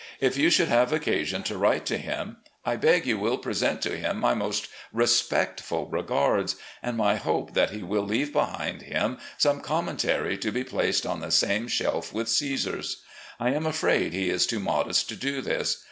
If you should have occasion to write to him, I beg you will present to him my most respectful regards, and my hope that he will leave behind him some commentary to be placed on the same shelf with Caesar's. I am afraid he is too modest to do this.